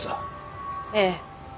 ええ。